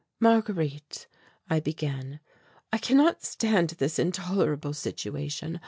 "Marguerite," I began, "I cannot stand this intolerable situation.